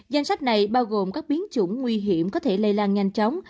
danh sách này bao gồm các biến chủng nguy hiểm có thể lây lan nhanh chóng